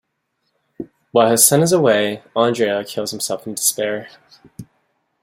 While his son is away, Andrea kills himself in despair.